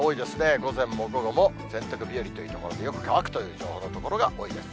午前も午後も洗濯日和という所、よく乾くという情報の所が多いです。